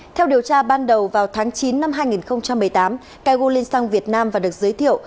theo điều tra ban đầu vào tháng chín năm hai nghìn một mươi tám cai gô linh sang việt nam và được giới thiệu